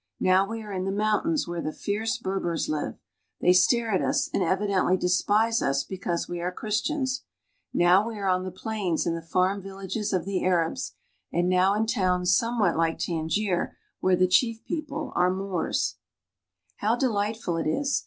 Now we are i the mountains where the fierce Berbers live; they stare] at us and evidently despise us because we are Christians. Now we are on the plains in the farm villages of the I Arabs, and now in towns somewhat like Tangier, where the chief people are Moors, How dJightful It IS